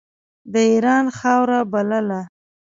د اېران خاوره بلله.